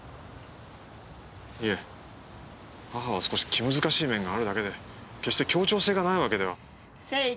いえ母は少し気難しい面があるだけで決して協調性がないわけでは。